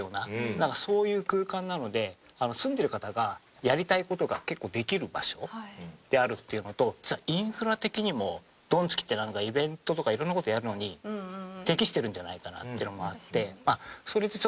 なんかそういう空間なので住んでる方がやりたい事が結構できる場所であるっていうのと実はインフラ的にもドンツキってなんかイベントとか色んな事やるのに適してるんじゃないかなっていうのもあってそれでちょっと。